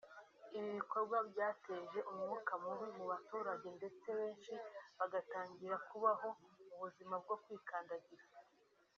ibikorwa byateje umwuka mubi mu baturage ndetse benshi bagatangira kubaho mu buzima bwo kwikandagira